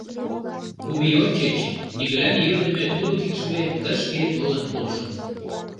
Кум ий ончыч нигӧлан йӧрдымӧ тулык икшыве тышке толын пурышым.